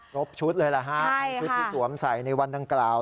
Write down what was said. ชุดเลยล่ะฮะเอาชุดที่สวมใส่ในวันดังกล่าว